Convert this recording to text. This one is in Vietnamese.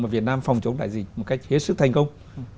và việt nam phòng chống đại dịch một cách hết sức thành công